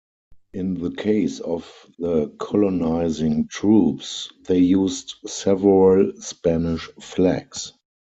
In the case of the colonizing troops, they used several Spanish flags.